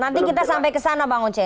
nanti kita sampai ke sana bang oce